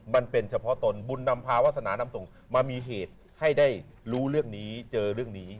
มันเป็นเฉพาะตนบุญนำพาวาสนานำส่งมามีเหตุให้ได้รู้เรื่องนี้เจอเรื่องนี้